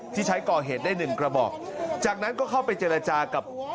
ที่ใช้ก่อเหตุได้หนึ่งกระบอกจากนั้นก็เข้าไปเจรจากับ